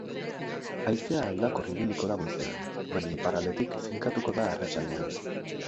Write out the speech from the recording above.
Haizea aldakor ibiliko da goizean, baina iparraldetik finkatuko da arratsaldean.